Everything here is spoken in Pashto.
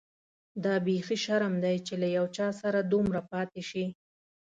دا بيخي شرم دی چي له یو چا سره دومره پاتې شې.